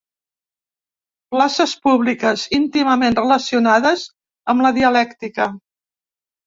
Places púbiques íntimament relacionades amb la dialèctica.